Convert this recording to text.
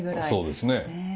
そうですね。